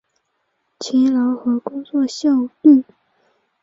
勤劳和工作效率